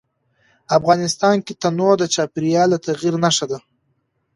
افغانستان کې تنوع د چاپېریال د تغیر نښه ده.